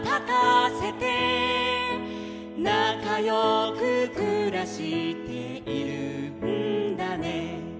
「なかよくくらしているんだね」